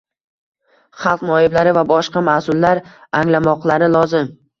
xalq noiblari va boshqa mas’ullar anglamoqlari lozim.